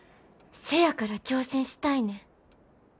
せやから挑戦したいねん。